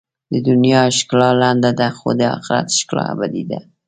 د دنیا ښکلا لنډه ده، خو د آخرت ښکلا ابدي ده.